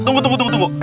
tunggu tunggu tunggu